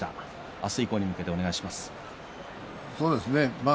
明日以降に向けてお願いします。